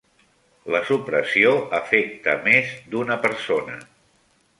La supressió afecta més d'una persona.